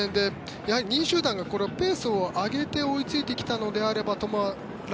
２位集団がペースを上げて追いついてきたのであればトマラ